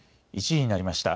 １時になりました。